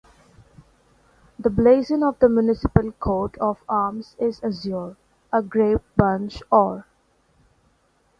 The blazon of the municipal coat of arms is Azure, a Grape-bunch Or.